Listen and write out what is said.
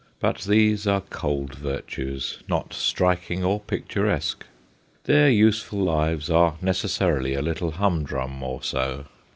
But these are cold virtues, not striking or picturesque. Their useful lives are necessarily a little humdrum or so.